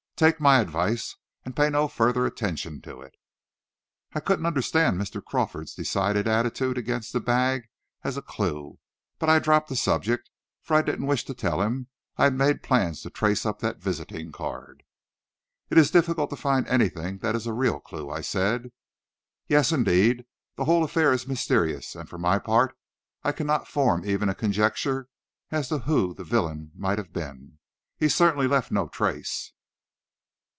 Take my advice, and pay no further attention to it." I couldn't understand Mr. Crawford's decided attitude against the bag as a clue, but I dropped the subject, for I didn't wish to tell him I had made plans to trace up that visiting card. "It is difficult to find anything that is a real clue," I said. "Yes, indeed. The whole affair is mysterious, and, for my part, I cannot form even a conjecture as to who the villain might have been. He certainly left no trace."